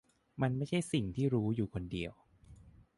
มันไม่ใช่สิ่งที่รู้อยู่คนเดียว